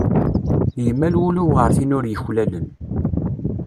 Yemmal wul-iw ɣer tin ur yuklalen.